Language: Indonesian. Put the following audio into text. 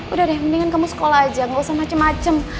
udah deh mendingan kamu sekolah aja gak usah macem macem